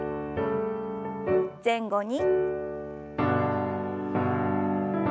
前後に。